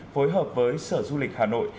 phối hợp với sở du lịch hà nội